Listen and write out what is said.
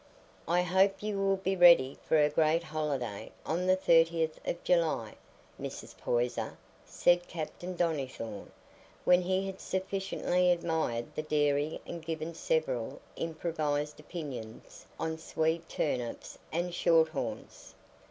"I hope you will be ready for a great holiday on the thirtieth of July, Mrs. Poyser," said Captain Donnithorne, when he had sufficiently admired the dairy and given several improvised opinions on Swede turnips and shorthorns.